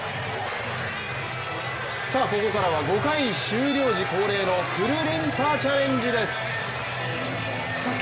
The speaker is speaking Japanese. さあ、ここからは５回終了時恒例のくるりんぱチャレンジです。